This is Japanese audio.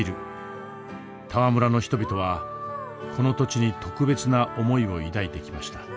タワ村の人々はこの土地に特別な思いを抱いてきました。